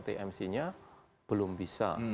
tms nya belum bisa